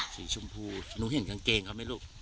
สีชมพูน้องเห็นกางเกงครับไหมลูก